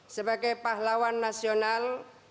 sebagai pahlawan nasional